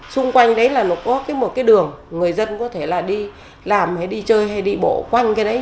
xung quanh đấy là nó có một cái đường người dân có thể là đi làm hay đi chơi hay đi bộ quanh cái đấy